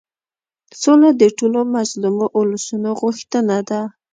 سوله د ټولو مظلومو اولسونو غوښتنه ده.